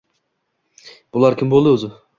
«Bular kim bo‘ldi, o‘zi?